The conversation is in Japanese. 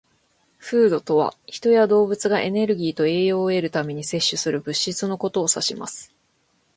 "Food" とは、人や動物がエネルギーと栄養を得るために摂取する物質のことを指します。